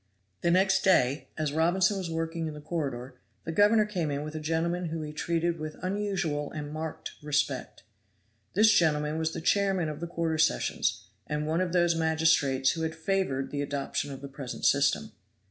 The next day, as Robinson was working in the corridor, the governor came in with a gentleman whom he treated with unusual and marked respect. This gentleman was the chairman of the quarter sessions, and one of those magistrates who had favored the adoption of the present system. Mr.